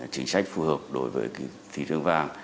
chính sách phù hợp đối với thị trường vàng